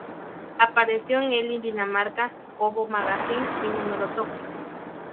Apareció en Elle Dinamarca, Hobo Magazine y Numero Tokio.